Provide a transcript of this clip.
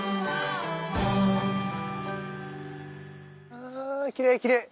あきれいきれい。